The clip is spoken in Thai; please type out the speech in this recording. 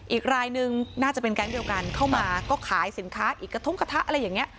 อีกรายนึงน่าจะเป็นแก๊งเดียวกันเข้ามาก็ขายสินค้าอีกกระทงกระทะอะไรอย่างนี้